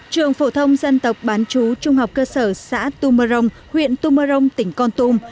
trường phổ thông dân tộc bán chú trung học cơ sở xã tu mơ rồng huyện tu mơ rồng tỉnh con tum